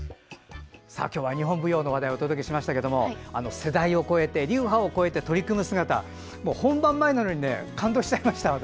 今日は日本舞踊の話題をお届けしましたが世代を越えて、流派を超えて取り組む姿、本番前なのに感動しちゃいました、私。